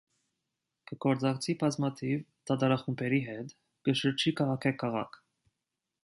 Կը գործակցի բազմաթիւ թատերախումբերու հետ, կը շրջի քաղաքէ քաղաք։